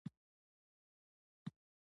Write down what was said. اوړه د نان پزی لپاره لازمي دي